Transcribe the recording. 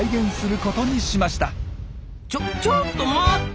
ちょちょっと待った！